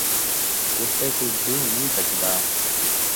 کتے کوں گھیو نئیں پچدا